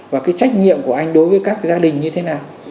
và cái trách nhiệm của anh đối với các gia đình như thế nào